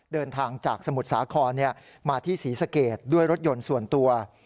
เดินทางจากสมุทรสาครมาที่ศรีสะเกดด้วยรถยนต์ส่วนตัว